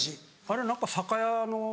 あれ何か酒屋の。